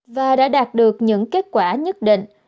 và đã đạt được những kết quả nhất định